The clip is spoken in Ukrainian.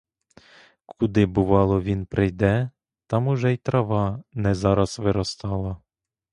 Куди, бувало, він прийде, там уже й трава не зараз виростала.